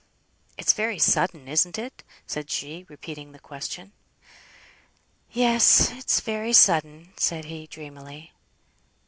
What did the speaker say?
"It's very sudden, isn't it?" said she, repeating her question. "Yes! it's very sudden," said he, dreamily.